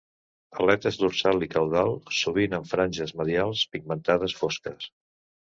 Aletes dorsal i caudal sovint amb franges medials pigmentades fosques.